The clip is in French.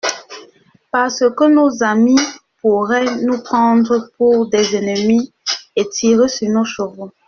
Parce que nos amis pourraient nous prendre pour des ennemis et tirer sur nos chevaux.